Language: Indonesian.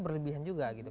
berlebihan juga gitu